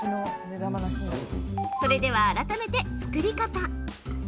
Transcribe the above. それでは、改めて作り方。